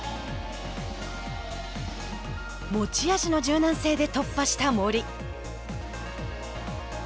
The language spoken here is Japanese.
持ち味の柔軟性で突破した森。